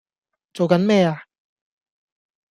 做緊咩呀